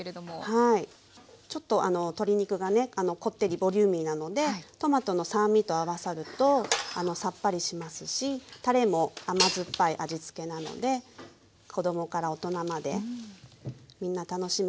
はいちょっと鶏肉がねこってりボリューミーなのでトマトの酸味と合わさるとさっぱりしますしたれも甘酸っぱい味つけなので子供から大人までみんな楽しめるおかずですね。